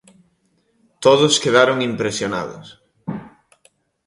Todos quedaron impresionados.